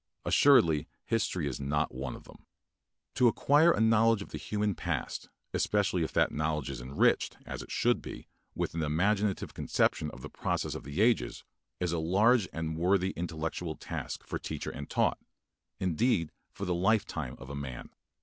Assuredly history is not one of them. To acquire a knowledge of the human past, especially if that knowledge is enriched, as it should be, with an imaginative conception of the process of the ages, is a large and worthy intellectual task for teacher and taught, indeed for the lifetime of a man.